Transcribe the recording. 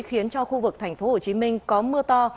khiến cho khu vực tp hcm có mưa to